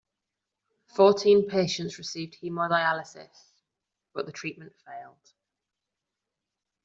Fourteen patients received hemodialysis, but the treatment failed.